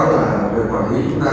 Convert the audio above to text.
chúng ta sẽ làm quản lý thế nào